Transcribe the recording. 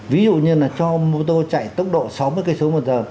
ví dụ như là cho mô tô chạy tốc độ sáu mươi kmh